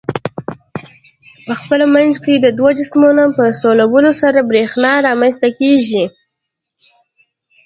په خپلو منځو کې د دوو جسمونو په سولولو سره برېښنا رامنځ ته کیږي.